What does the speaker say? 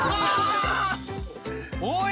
おい！